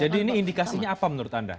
jadi ini indikasinya apa menurut anda